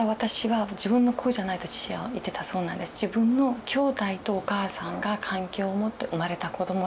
自分の兄弟とお母さんが関係を持って生まれた子どもだと。